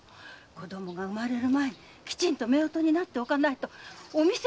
子供が産まれる前にきちんと夫婦になっておかないとお店の信用にかかわります。